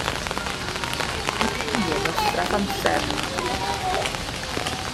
Mi oedd hynny yn wastraff amser.